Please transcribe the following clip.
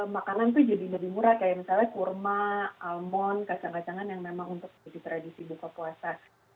makanan itu jadi lebih murah kayak misalnya kurma almon kacang kacangan yang memang untuk jadi tradisi buka puasa